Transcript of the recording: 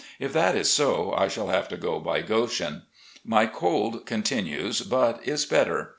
If that is so, I shall have to go by Goshen. My cold con tinues, but is better.